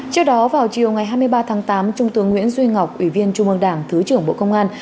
trước đó vào chiều ngày hai mươi ba tháng tám trung tướng nguyễn duy ngọc ủy viên trung ương đảng thứ trưởng bộ công an